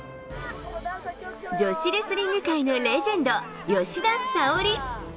女子レスリング界のレジェンド、吉田沙保里。